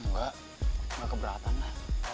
enggak gak keberatan lah